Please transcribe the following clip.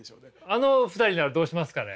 あの２人ならどうしますかね？